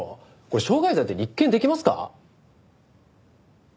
これ傷害罪で立件できますか？